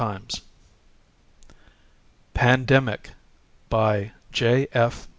net PANDEMIC _BY J. F.